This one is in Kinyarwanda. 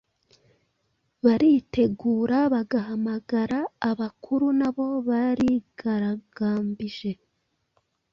Baritegurabagahamagara abakuru nabo barigaragambije